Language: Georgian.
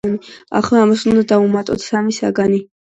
ახლა ამას უნდა დავუმატოთ სამი საგანი.